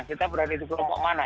kita berada di kelompok mana